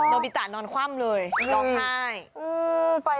บิตะนอนคว่ำเลยร้องไห้